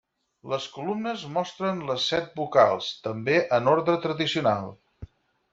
Les columnes mostren les set vocals, també en ordre tradicional.